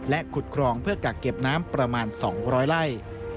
ขุดครองเพื่อกักเก็บน้ำประมาณ๒๐๐ไร่